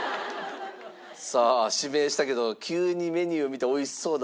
さあ指名したけど急にメニューを見て美味しそうだなと。